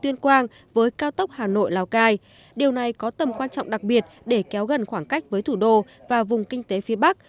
tuyên quang với cao tốc hà nội lào cai điều này có tầm quan trọng đặc biệt để kéo gần khoảng cách với thủ đô và vùng kinh tế phía bắc